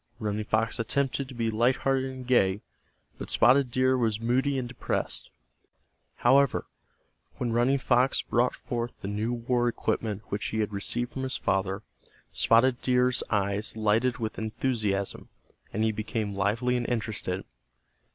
Running Fox attempted to be light hearted and gay, but Spotted Deer was moody and depressed. However, when Running Fox brought forth the new war equipment which he had received from his father, Spotted Deer's eyes lighted with enthusiasm, and he became lively and interested.